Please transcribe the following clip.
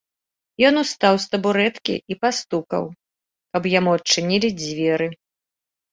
Ён устаў з табурэткі і пастукаў, каб яму адчынілі дзверы.